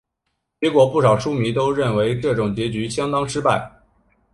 结果不少书迷都认为这种结局相当失败。